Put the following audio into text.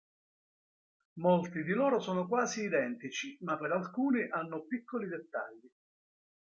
Molti di loro sono quasi identici ma per alcuni hanno piccoli dettagli.